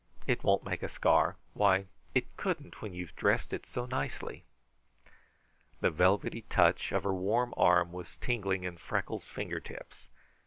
"It won't make a scar. Why, it couldn't, when you have dressed it so nicely." The velvety touch of her warm arm was tingling in Freckles' fingertips.